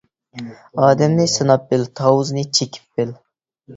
ئادەمنى سىناپ بىل، تاۋۇزنى چېكىپ بىل.